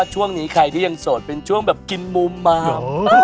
ช่วงนี้ใครที่ยังโสดเป็นช่วงแบบกินมุมมา